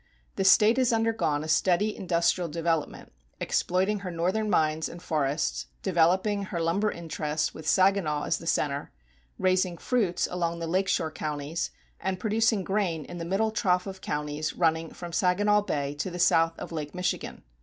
The State has undergone a steady industrial development, exploiting her northern mines and forests, developing her lumber interests with Saginaw as the center, raising fruits along the lake shore counties, and producing grain in the middle trough of counties running from Saginaw Bay to the south of Lake Michigan.